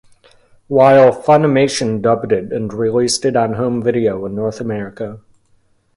While Funimation dubbed it and released it on home video in North America.